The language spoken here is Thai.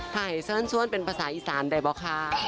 ถ่ายเสริมซ่วนเป็นภาษาอีสานได้ป่ะคะ